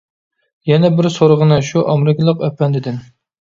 -يەنە بىر سورىغىنە شۇ ئامېرىكىلىق ئەپەندىدىن.